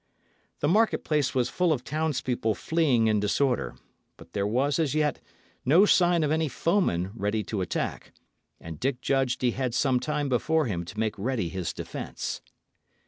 The market place was full of townspeople fleeing in disorder; but there was as yet no sign of any foeman ready to attack, and Dick judged he had some time before him to make ready his defence.